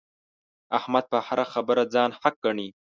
احمد په هره خبره ځان حق ګڼي.